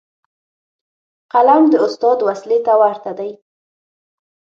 قلم د استاد وسلې ته ورته دی.